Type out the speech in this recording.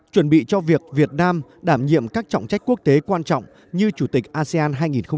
chuẩn bị cho việc việt nam đảm nhiệm các trọng trách quốc tế quan trọng như chủ tịch asean hai nghìn hai mươi